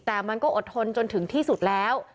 แต่มันก็อดทนจนถึงที่สุดแล้ว